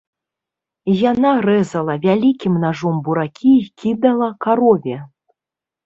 Яна рэзала вялікім нажом буракі і кідала карове.